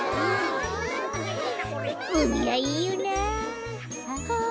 うみはいいよなあ。